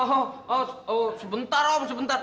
oh oh oh sebentar om sebentar